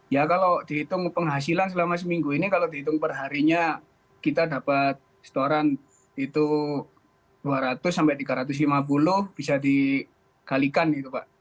ya kalau dihitung penghasilan selama seminggu ini kalau dihitung perharinya kita dapat setoran itu dua ratus sampai tiga ratus lima puluh bisa digalikan gitu pak